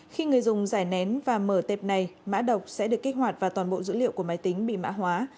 khi người dùng giải nén và mở tệp này mã độc sẽ được kích hoạt và toàn bộ dữ liệu của máy tính bị mã hóa